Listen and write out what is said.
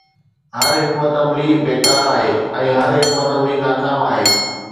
هر حڪمت عملي بيڪار آهي ۽ هر حڪمت عملي ناڪام آهي.